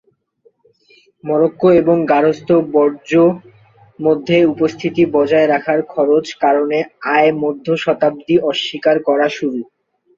Morocco এবং গার্হস্থ্য বর্জ্য মধ্যে উপস্থিতি বজায় রাখার খরচ কারণে আয় মধ্য শতাব্দী অস্বীকার করা শুরু।